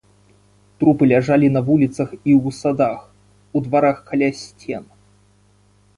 Трупы ляжалі на вуліцах і ў садах, у дварах каля сцен.